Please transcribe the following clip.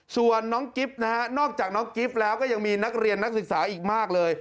ส่วนน้องกิ๊บนะฮะนอกจากน้องกิฟต์แล้วก็ยังมีนักเรียนนักศึกษาอีกมากเลย